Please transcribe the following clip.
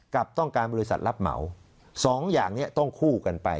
กับต้องการบริษัทรับเหมาสองอย่างนี้ต้องคู่กันไป